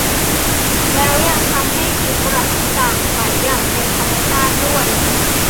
แล้วยังทำให้ผิวกระจ่างใสอย่างเป็นธรรมชาติด้วย